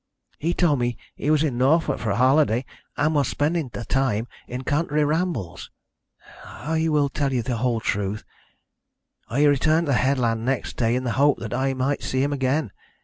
He told me he was in Norfolk for a holiday, and was spending the time in country rambles. "I will tell you the whole truth. I returned to the headland next day in the hope that I might see him again.